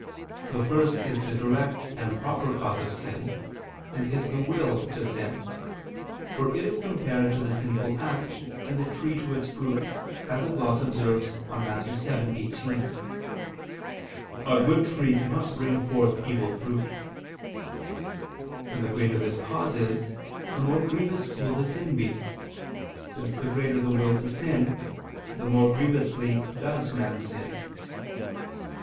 The first is the direct and proper cause of sin, and is the will to sin: for it is compared to the sinful act, as a tree to its fruit, as a gloss observes on Matt. 7:18, "A good tree cannot bring forth evil fruit": and the greater this cause is, the more grievous will the sin be, since the greater the will to sin, the more grievously does man sin.